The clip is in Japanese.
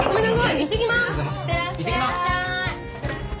いってらっしゃい！